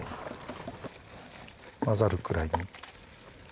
混ざるくらいに。